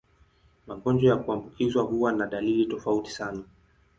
Magonjwa ya kuambukizwa huwa na dalili tofauti sana.